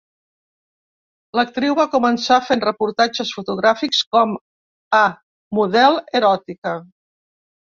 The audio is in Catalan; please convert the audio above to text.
L'actriu va començar fent reportatges fotogràfics com a model eròtica.